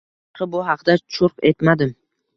Boshqa bu haqda churq etmadim